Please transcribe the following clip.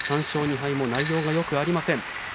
３勝２敗も内容がよくありません。